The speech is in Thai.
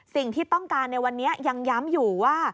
สิ่งที่ต้องการในวันนี้ยังย้ำอยู่ว่า